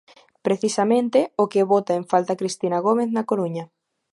Precisamente, o que bota en falta Cristina Gómez na Coruña.